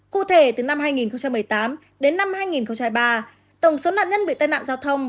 cụ thể từ năm hai nghìn một mươi tám đến năm hai nghìn hai mươi ba tổng số nạn nhân bị tai nạn giao thông